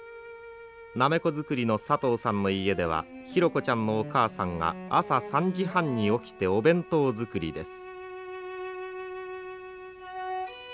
なめこ作りのさとうさんの家ではひろこちゃんのお母さんが朝３時半に起きてお弁当作りです。